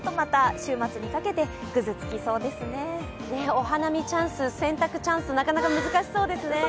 お花見チャンス、洗濯チャンスなかなか難しそうですね。